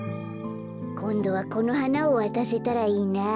こんどはこのはなをわたせたらいいなあ。